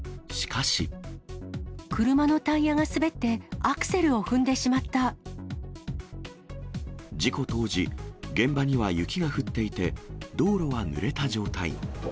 車のタイヤが滑って、アクセ事故当時、現場には雪が降っていて、道路はぬれた状態。